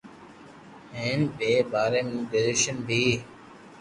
ھي ين ٻاري مون ڪريجويݾن بي